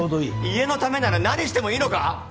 家のためなら何してもいいのか？